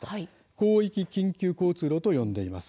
広域緊急交通路と呼んでいます。